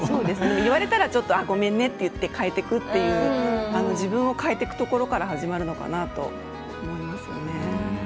言われたらごめんねって言って自分を変えてくところから始まるのかなと思いますよね。